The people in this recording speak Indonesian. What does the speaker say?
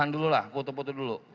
tahan dulu lah foto foto dulu